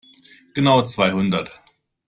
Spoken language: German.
Genau zweihundert.